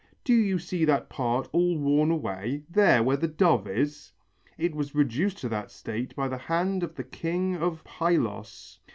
Do you see that part all worn away, there where the dove is? It was reduced to that state by the hand of the king of Pylos."